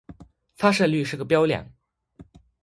发射率是个标量。